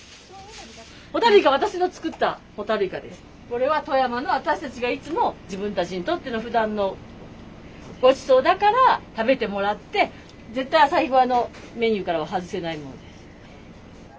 これは富山の私たちがいつも自分たちにとってのふだんのごちそうだから食べてもらって絶対朝日小屋のメニューからは外せないものです。